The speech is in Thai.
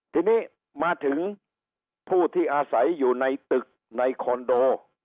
ทีนี้มาถึงผู้ที่อาศัยอยู่ในตึกในคอนโด